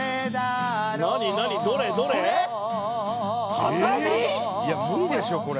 畳？いや無理でしょこれ。